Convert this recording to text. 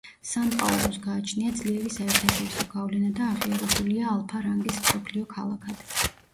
სან-პაულუს გააჩნია ძლიერი საერთაშორისო გავლენა და აღიარებულია ალფა რანგის მსოფლიო ქალაქად.